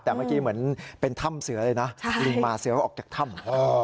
แต่เมื่อกี้เหมือนเป็นถ้ำเสือเลยนะลิงมาเสือออกจากถ้ำ